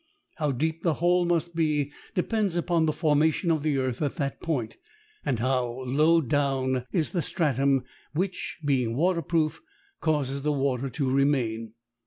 How deep the hole must be depends upon the formation of the earth at that point, and how low down is the stratum which, being waterproof, causes the water to remain.